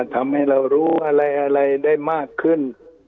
ทำให้เรารู้อะไรได้มากขึ้น